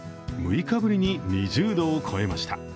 ６日ぶりに２０度を超えました。